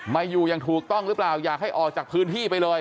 มาอยู่อย่างถูกต้องหรือเปล่าอยากให้ออกจากพื้นที่ไปเลย